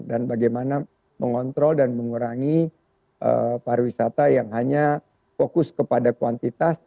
dan bagaimana mengontrol dan mengurangi pariwisata yang hanya fokus kepada kuantitas